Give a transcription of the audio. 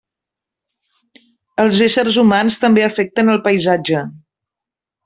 Els éssers humans també afecten el paisatge.